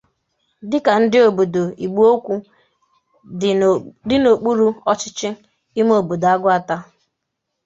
dịka ndị obodo Igboukwu dị n'okpuru ọchịchị ime obodo Agụata